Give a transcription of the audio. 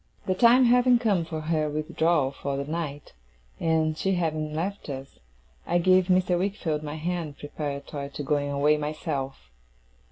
The time having come for her withdrawal for the night, and she having left us, I gave Mr. Wickfield my hand, preparatory to going away myself.